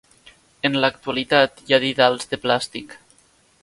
En l'actualitat hi ha didals de plàstic.